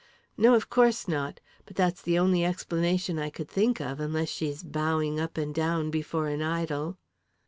"No, of course not. But that's the only explanation I could think of, unless she's bowing up and down before an idol."